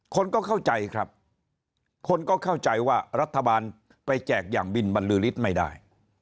คนก็เข้าใจครับคนก็เข้าใจว่ารัฐบาลไปแจกอย่างบินบรรลือฤทธิ์ไม่ได้